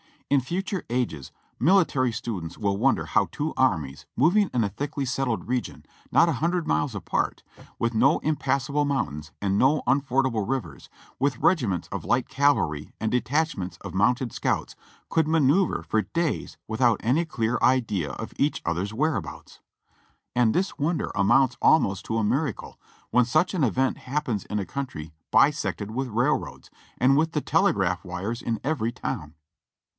In future ages military students will wonder how two armies moving in a thickly settled region, not a hundred miles apart, with no impassable mountains and no unfordable rivers, with regiments of light cav alry and detachments of mounted scouts, could manoeuvre for days without any clear idea of each other's whereabouts. And this wonder amounts almost to a miracle when such an event happens in a country bisected with railroads, and with the tele graph wires in every town.